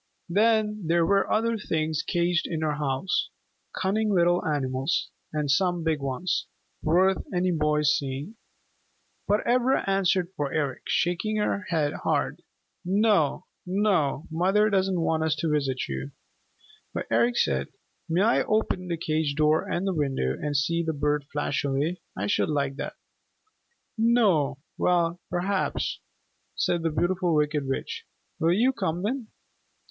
Then there were other things caged in her house, cunning little animals, and some big ones, worth any boy's seeing. But Ivra answered for Eric, shaking her head hard. "No, no. Mother doesn't want us to visit you." But Eric said, "May I open the cage door and the window and see the bird flash away? I should like that." "No. Well, perhaps," said the Beautiful Wicked Witch. "Will you come then?"